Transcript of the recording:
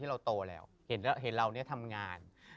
พี่ยังไม่ได้เลิกแต่พี่ยังไม่ได้เลิก